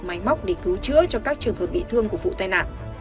máy móc để cứu chữa cho các trường hợp bị thương của vụ tai nạn